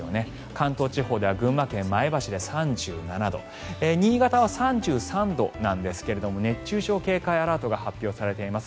関東地方では群馬県前橋で３７度新潟は３３度なんですが熱中症警戒アラートが発表されています。